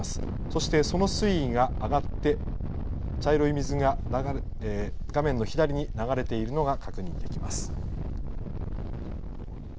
そしてその水位が上がって、茶色い水が画面の左に流れているのが確認できます。